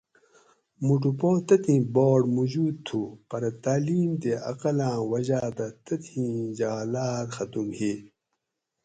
مُٹو پا تتھیں باٹ موجود تھُو پرہ تعلیم تے اقلاۤں وجاۤ دہ تتھیں جہالاۤت ختم ہی